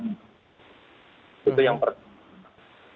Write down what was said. itu yang pertama